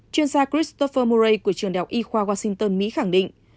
chuyên gia christopher murray của trường đạo y khoa washington mỹ khẳng định